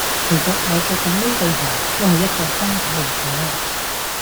其實我著緊呢對鞋，都係一個風筒嚟嘅